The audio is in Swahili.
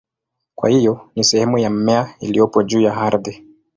Kwa hiyo ni sehemu ya mmea iliyopo juu ya ardhi.